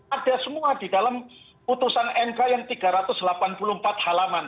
ada semua di dalam putusan mk yang tiga ratus delapan puluh empat halaman